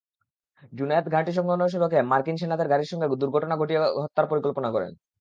জুনায়েদ ঘাঁটিসংলগ্ন সড়কে মার্কিন সেনাদের গাড়ির সঙ্গে দুর্ঘটনা ঘটিয়ে হত্যার পরিকল্পনা করেন।